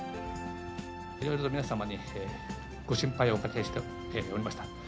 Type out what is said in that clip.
いろいろと皆様にご心配をおかけしておりました。